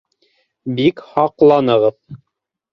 Бик һаҡланығыҙ.